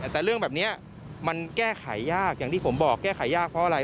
แต่เรื่องแบบนี้มันแก้ไขยากอย่างที่ผมบอกแก้ไขยากเพราะอะไร